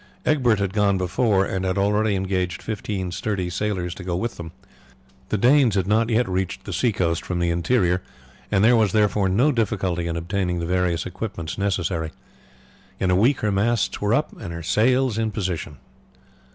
Egbert had gone before and had already engaged fifteen sturdy sailors to go with them. The Danes had not yet reached the sea coast from the interior, and there was therefore no difficulty in obtaining the various equipments necessary. In a week her masts were up and her sails in position.